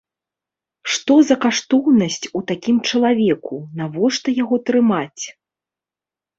Што за каштоўнасць у такім чалавеку, навошта яго трымаць?